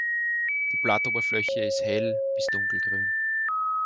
Die Blattoberfläche ist hell- bis dunkelgrün.